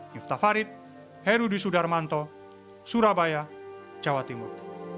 yufta farid heru di sudarmanto surabaya jawa timur